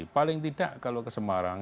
paling tidak kalau ke semarang